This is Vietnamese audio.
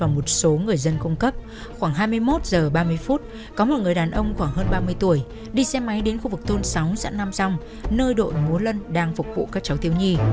một số người dân cung cấp khoảng hai mươi một h ba mươi phút có một người đàn ông khoảng hơn ba mươi tuổi đi xe máy đến khu vực thôn sáu xã nam song nơi đội múa lân đang phục vụ các cháu thiếu nhi